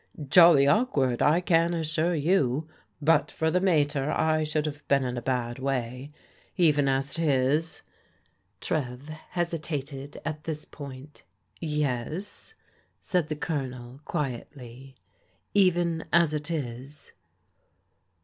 "Jolly awkward, I can assure you. But for the mater I should have been in a bad way. Even as it is '' Trev hesitated at this point. Yes," said the Colonel quietly, " even as it is